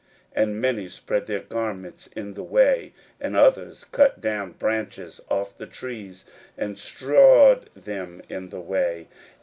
41:011:008 And many spread their garments in the way: and others cut down branches off the trees, and strawed them in the way.